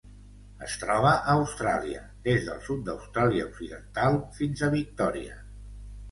Es troba a Austràlia: des del sud d'Austràlia Occidental fins a Victòria.